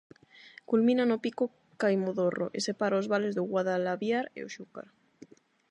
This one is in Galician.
Culmina no pico Caimodorro, e separa os vales do Guadalaviar e o Xúcar.